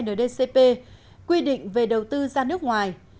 quy định chi tiết về hoạt động đầu tư ra nước ngoài